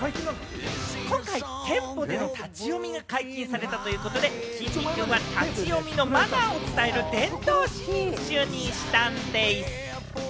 今回、店舗での立ち読みが解禁されたということで、きんに君は立ち読みのマナーを伝える伝道師に就任したんでぃす。